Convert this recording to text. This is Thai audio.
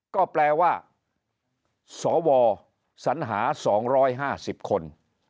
ก็แปลว่าสวสัญหา๒๕๐คน